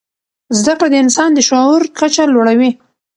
زده کړه د انسان د شعور کچه لوړوي.